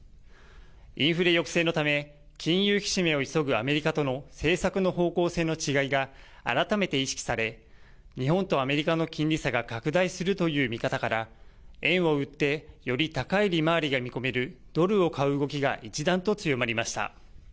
インフレ抑制のため、金融引き締めを急ぐアメリカとの政策の方向性の違いが改めて意識され、日本とアメリカの金利差が拡大するという見方から、円を売ってより高い利回りが見込めるドルを買う動きが一段と強まりました。